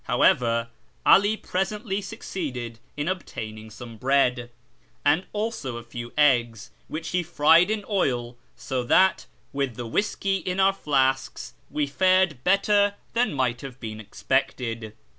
However, 'Ali presently succeeded in obtaining some bread, and also a few eggs, which he fried in oil, so that, with the whisky in our flasks, we fared better than might have been expected.